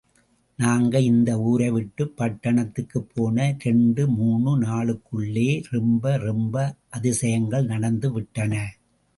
நாங்க இந்த ஊரை விட்டுப் பட்டணத்துக்குப் போன இரண்டு மூணு நாளுக்குள்ளே ரொம்ப ரொம்ப அதிசங்கள் நடந்து விட்டன.